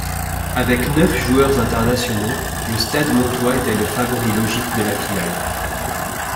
Avec neuf joueurs internationaux, le Stade montois était le favori logique de la finale.